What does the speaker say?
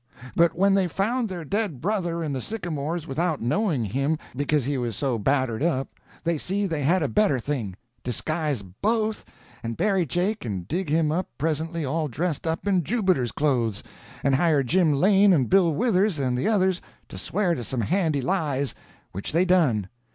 But when they found their dead brother in the sycamores without knowing him, because he was so battered up, they see they had a better thing; disguise both and bury Jake and dig him up presently all dressed up in Jubiter's clothes, and hire Jim Lane and Bill Withers and the others to swear to some handy lies—which they done.